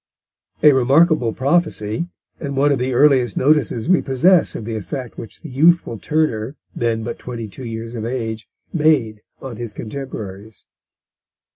A remarkable prophecy, and one of the earliest notices we possess of the effect which the youthful Turner, then but twenty two years of age, made on his contemporaries.